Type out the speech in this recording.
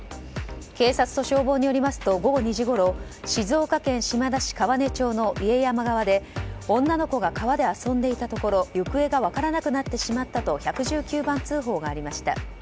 警察と消防によりますと午後２時ごろ静岡県島田市川根町の家山川で女の子が川で遊んでいたところ行方が分からなくなってしまったと１１９番通報がありました。